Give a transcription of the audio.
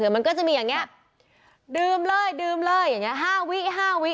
มันจะมีอย่างนี้ดื่มเลยอย่างนี้๕วิ